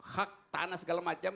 hak tanah segala macam